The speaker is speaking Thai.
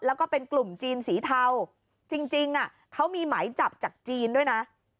แล้วก็เป็นกลุ่มจีนสีเทาจริงเขามีหมายจับจากจีนด้วยนะ